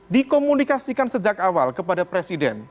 dikomunikasikan sejak awal kepada presiden